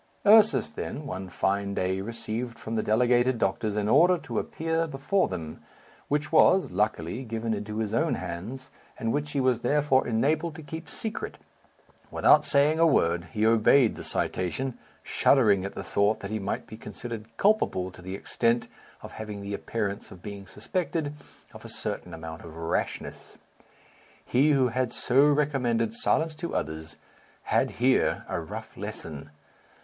Ursus, then, one fine day received from the delegated doctors an order to appear before them, which was, luckily, given into his own hands, and which he was therefore enabled to keep secret. Without saying a word, he obeyed the citation, shuddering at the thought that he might be considered culpable to the extent of having the appearance of being suspected of a certain amount of rashness. He who had so recommended silence to others had here a rough lesson.